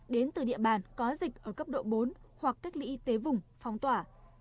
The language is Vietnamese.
đến từ địa bàn có dịch ở cấp độ bốn hoặc cách ly y tế vùng phong tỏa